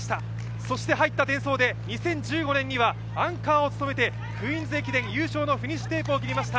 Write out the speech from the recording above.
そして入ったデンソーで２０１５年にはアンカーを務めてクイーンズ駅伝優勝のフィニッシュテープを切りました。